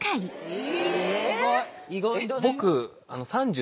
え！